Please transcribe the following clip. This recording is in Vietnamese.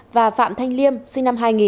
và phạm thanh liêm sinh năm hai nghìn